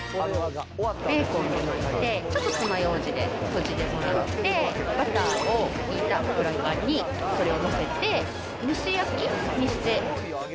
ベーコンで巻いて、ちょっとつまようじで閉じてもらって、バターをひいたフライパンに、それを載せて、蒸し焼きにして。